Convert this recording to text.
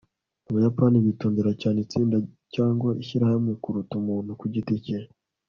Abayapani bitondera cyane itsinda cyangwa ishyirahamwe kuruta umuntu ku giti cye